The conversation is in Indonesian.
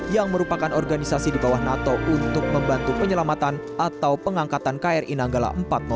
yang merupakan organisasi di bawah nato untuk membantu penyelamatan atau pengangkatan kri nanggala empat ratus dua